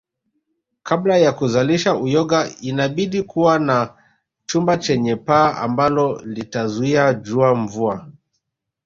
Kabla ya kuzalisha uyoga inabidi kuwa na chumba chenye paa ambalo litazuia jua mvua